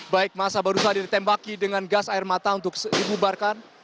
baik masa baru saja ditembaki dengan gas air mata untuk dibubarkan